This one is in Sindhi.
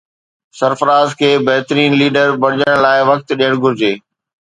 سرفراز کي بهترين ليڊر بڻجڻ لاءِ وقت ڏيڻ گهرجي